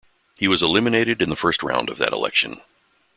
He was eliminated in the first round of that election.